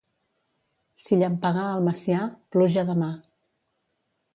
Si llampegà al Macià, pluja demà.